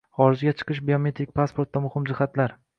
Xorijga chiqish biometrik pasportda muhim jihatlar